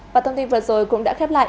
và thông tin vừa rồi cũng đã khép lại